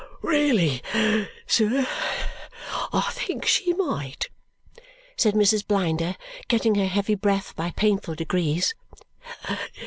"Really, sir, I think she might," said Mrs. Blinder, getting her heavy breath by painful degrees.